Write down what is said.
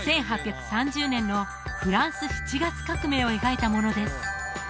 １８３０年のフランス７月革命を描いたものです